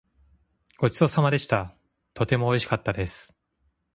ごちそうさまでした。とてもおいしかったです。